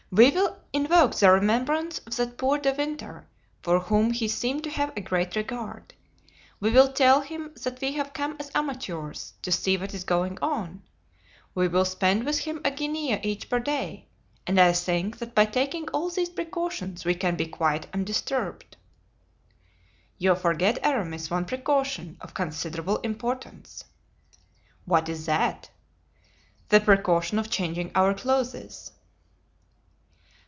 We will invoke the remembrance of that poor De Winter, for whom he seemed to have a great regard; we will tell him that we have come as amateurs to see what is going on; we will spend with him a guinea each per day; and I think that by taking all these precautions we can be quite undisturbed." "You forget, Aramis, one precaution of considerable importance." "What is that?" "The precaution of changing our clothes."